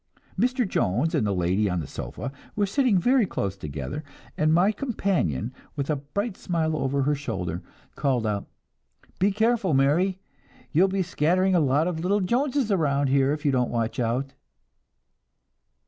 Mr. Jones and the lady on the sofa were sitting very close together, and my companion, with a bright smile over her shoulder, called out: "Be careful, Mary; you'll be scattering a lot of little Joneses around here if you don't watch out!"